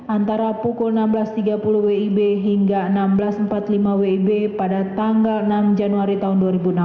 antara pukul enam belas tiga puluh wib hingga enam belas empat puluh lima wib pada tanggal enam januari tahun dua ribu enam belas